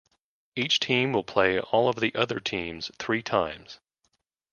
Each team will play all of the other teams three times.